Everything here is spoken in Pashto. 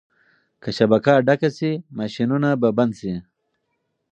که شبکه ډکه شي ماشینونه به بند شي.